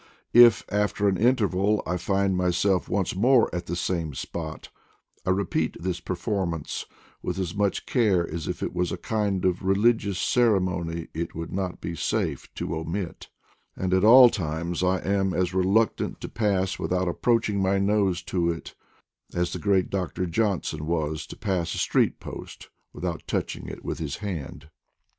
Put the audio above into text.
If, after an interval, I find myself once more at the same spot, I repeat this performance with as much care as if it was a kind of religious ceremony it would not be safe to omit; and at all times I am as reluctant to pass without approaching my nose to it, as the great Dr. Johnson was to pass a street post without touching it with his hand.